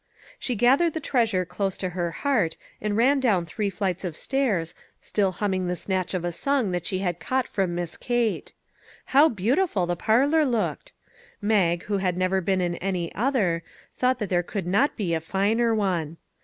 She gathered the treasure close to her heart and ran down three flights of stairs, still hum ming the snatch of a song that she had caught 33 MAG AND MARGARET from Miss Kate. How beautiful the parlor looked! Mag, who had never been in any other, thought there could not be a finer one.